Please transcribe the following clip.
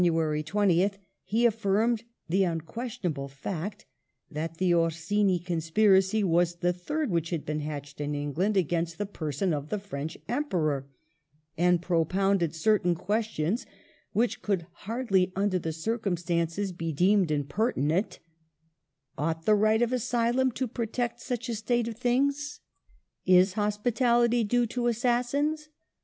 20th) he affirmed the unquestionable fact that the Orsini conspiracy was the third which had been hatched in England against the pei son of the French Emperor, and propounded certain questions which could 1 Ashley, Life, ii. 142. 1860] CONSPIRACY TO MURDER BILL 299 hardly, under the circumstances, be deemed impertinent :" Ought the i ight of asylum to protect such a state of things ? Is hospi tality due to assassins